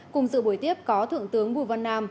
cùng sự buổi tiếp có thượng tướng bù văn nam